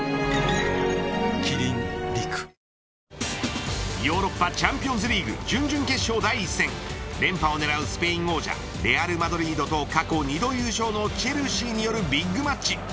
キリン「陸」ヨーロッパチャンピオンズリーグ準々決勝第１戦連覇を狙うスペイン王者レアルマドリードと過去２度優勝のチェルシーによるビッグマッチ。